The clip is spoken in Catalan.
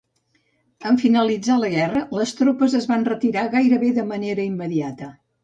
En finalitzar la guerra, les tropes es van retirar gairebé de manera immediata.